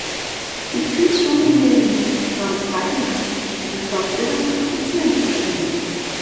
Die Kriegsschule in Berlin war des Weiteren für die Fortbildung von Offizieren zuständig.